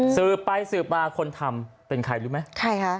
ซืบไปซืบมาคนทำเป็นใครรู้มั้ย